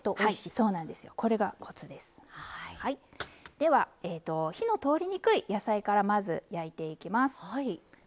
では火の通りにくい野菜からまず焼いていきます。